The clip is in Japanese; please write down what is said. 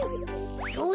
そうだ！